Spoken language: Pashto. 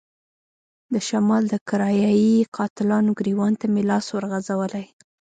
د شمال د کرايه ای قاتلانو ګرېوان ته مې لاس ورغځولی.